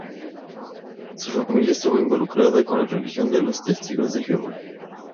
Su familia estuvo involucrada con la religion de los Testigos de Jehová.